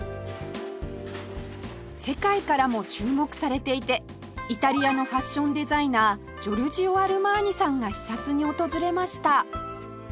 世界からも注目されていてイタリアのファッションデザイナージョルジオ・アルマーニさんが視察に訪れました